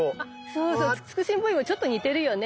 そうそうツクシンボにもちょっと似てるよね。